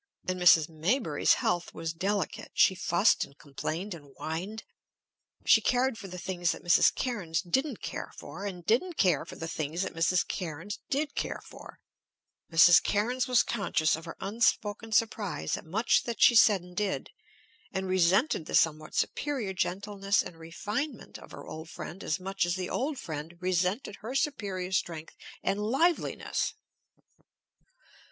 And Mrs. Maybury's health was delicate, she fussed and complained and whined; she cared for the things that Mrs. Cairnes didn't care for, and didn't care for the things that Mrs. Cairnes did care for; Mrs. Cairnes was conscious of her unspoken surprise at much that she said and did, and resented the somewhat superior gentleness and refinement of her old friend as much as the old friend resented her superior strength and liveliness.